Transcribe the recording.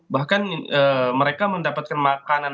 bahkan mereka mendapatkan makanan